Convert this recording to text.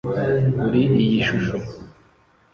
Kuri iyi shusho